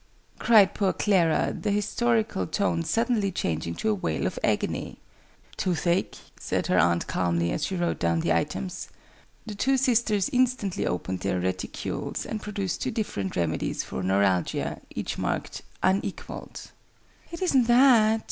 cried poor Clara, the historical tone suddenly changing to a wail of agony. "Toothache?" said her aunt calmly, as she wrote down the items. The two sisters instantly opened their reticules and produced two different remedies for neuralgia, each marked "unequalled." "It isn't that!"